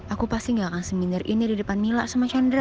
aku pasti gak akan seminar ini di depan mila sama chandra